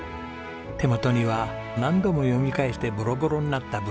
手元には何度も読み返してボロボロになった文庫本。